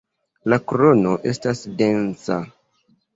La krono estas densa.